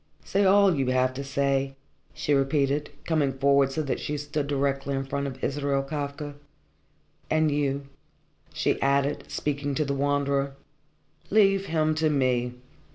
"Say all you have to say," she repeated, coming forward so that she stood directly in front of Israel Kafka. "And you," she added, speaking to the Wanderer, "leave him to me.